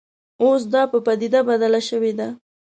اوس دا په پدیده بدله شوې ده